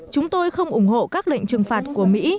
chúng tôi không ủng hộ các lệnh trừng phạt của mỹ